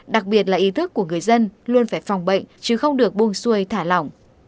đặc biệt là ý thức của người dân luôn phải phòng bệnh chứ không được buông xuôi thả lỏng